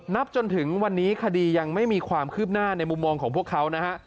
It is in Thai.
จนถึงวันนี้คดียังไม่มีความคืบหน้าในมุมมองของพวกเขานะฮะ